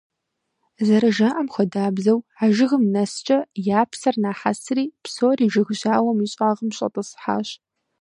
ЗэрыжаӀам хуэдабзэу, а жыгым нэскӀэ «я псэр нахьэсри», псори жыг жьауэм и щӀагъым щӀэтӀысхьащ.